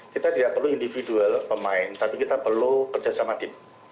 kita tidak perlu individual pemain tapi kita perlu kerjasama tim